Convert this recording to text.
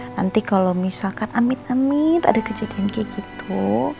nanti kalau misalkan amit amit ada kejadian kayak gitu